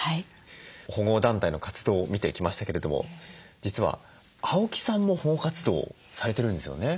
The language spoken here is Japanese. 保護団体の活動を見てきましたけれども実は青木さんも保護活動をされてるんですよね？